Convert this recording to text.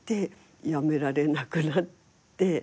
辞められなくなって。